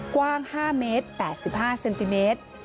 กว้าง๕เมตร๘๕เซนติเมตร